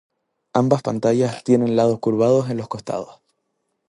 Ambas pantallas tienen lados curvados en los costados.